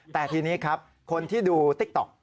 แต่ทีนี้ครับคนที่ดูติ๊กต๊อก